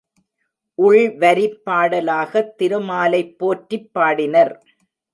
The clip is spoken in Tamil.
உள்வரிப்பாடலாகத் திருமாலைப் போற்றிப் பாடினர்.